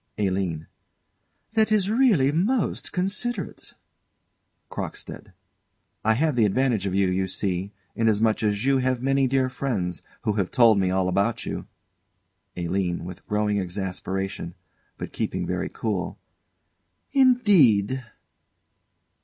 ALINE. That is really most considerate! CROCKSTEAD. I have the advantage of you, you see, inasmuch as you have many dear friends, who have told me all about you. ALINE. [With growing exasperation, but keeping very cool.] Indeed?